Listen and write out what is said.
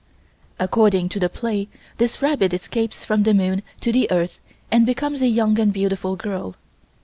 According to the play this rabbit escapes from the moon to the Earth and becomes a young and beautiful girl.